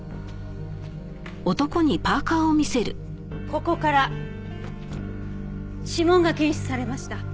ここから指紋が検出されました。